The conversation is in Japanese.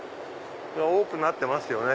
多くなってますよね。